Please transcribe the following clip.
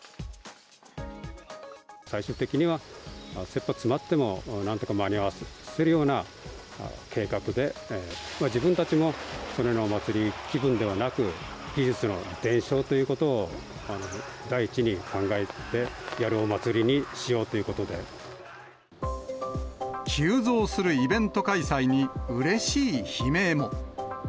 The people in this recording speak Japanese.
最終的にはせっぱ詰まってもなんとか間に合わせるような計画で、自分たちもそれのお祭り気分ではなく、技術の伝承ということを第一に考えてやるお祭りにしようというこ急増するイベント開催に、うれしい悲鳴も。